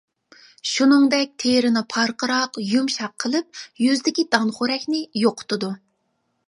شۇنىڭدەك تېرىنى پارقىراق، يۇمشاق قىلىپ، يۈزدىكى دانىخورەكنى يوقىتىدۇ.